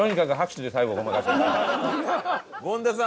権田さん